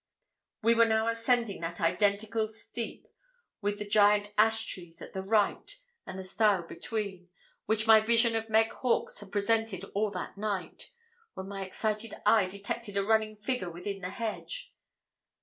We were now ascending that identical steep, with the giant ash trees at the right and the stile between, which my vision of Meg Hawkes had presented all that night, when my excited eye detected a running figure within the hedge.